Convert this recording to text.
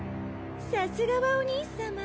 さすがはお兄さま。